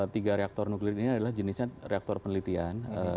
tiga reaktor nuklir ini adalah jenisnya reaktor penelitian